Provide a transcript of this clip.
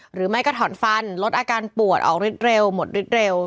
หรือไม่ก็ถอนฟันลดอาการปวดออกฤทธิเร็วหมดฤทธิเร็ว